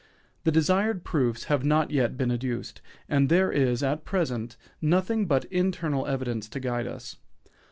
The desired proofs have not yet been adduced, and there is, at present, nothing but internal evidence to guide us.